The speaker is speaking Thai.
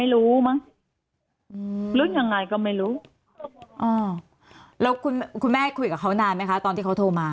แล้วคุณแม่คุยกับเขานานไหมคะตอนที่เขาโทรมา